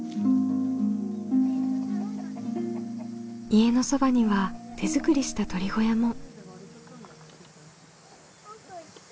家のそばには手作りした鶏小屋も。